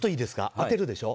当てるでしょ。